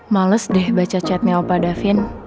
males deh baca chatnya opa davin